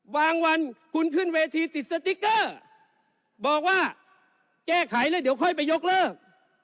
วันคุณขึ้นเวทีติดสติ๊กเกอร์บอกว่าแก้ไขแล้วเดี๋ยวค่อยไปยกเลิก